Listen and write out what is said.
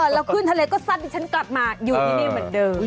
แล้วขึ้นทะเลก็ซัดดิฉันกลับมาอยู่ที่นี่เหมือนเดิม